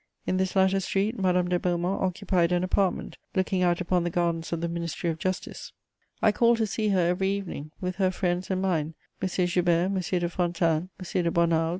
In this latter street, Madame de Beaumont occupied an apartment looking out upon the gardens of the Ministry of Justice. I called to see her every evening, with her friends and mine, M. Joubert, M. de Fontanes, M. de Bonald, M.